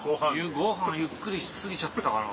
ご飯ゆっくりし過ぎちゃったかな。